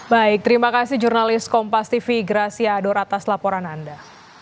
baik terima kasih jurnalis kompas tv gracia ador atas laporan anda